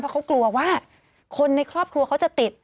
เพราะเขากลัวว่าคนในครอบครัวเขาจะติด